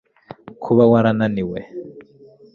kuba warananiwe